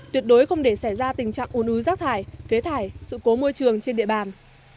tuyệt đối không để xảy ra tình trạng ủ nứ rác thải phế thải sự cố môi trường trên địa bàn